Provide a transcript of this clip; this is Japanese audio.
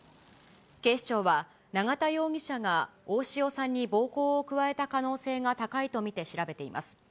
警視庁は永田容疑者が大塩さんに暴行を加えた可能性が高いと見て調べています。